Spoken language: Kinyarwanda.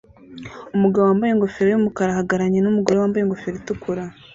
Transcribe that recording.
Umugabo wambaye ingofero yumukara ahagararanye numugore wambaye ingofero itukura